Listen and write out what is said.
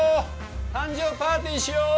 誕生パーティーしよう！